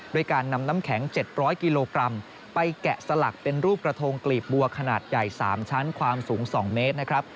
ด้วยการนำน้ำแข็ง๗๐๐กิโลกรัมไปแกะสลักเป็นรูปกระทงกลีบบัวขนาดใหญ่๓ชั้นความสูง๒เมตรนะครับ